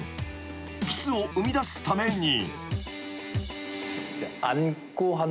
［キスを生みだすために］